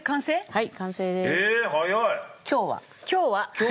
はい。